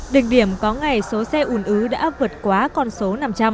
đỉnh điểm có ngày số xe ùn ứ đã vượt quá con số năm trăm linh